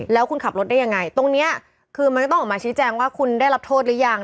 แล้วคุณขับรถได้ยังไงตรงนี้คือมันก็ต้องออกมาชี้แจงว่าคุณได้รับโทษหรือยัง